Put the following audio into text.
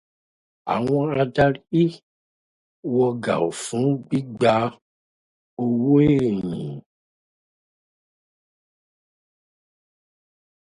Àwọn adarí iléẹ̀kọ́ wọ gàù fún gbígba owò ẹ̀yìn.